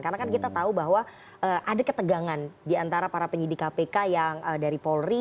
karena kan kita tahu bahwa ada ketegangan di antara para penyidik kpk yang dari polri